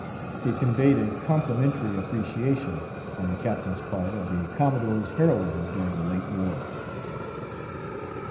It conveyed a complimentary appreciation, on the Captain's part, of the Commodore's heroism during the late war.